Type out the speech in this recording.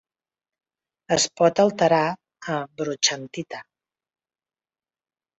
Es pot alterar a brochantita.